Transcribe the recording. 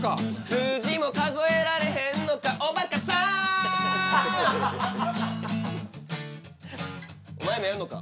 数字も数えられへんのかおばかさんお前もやんのか？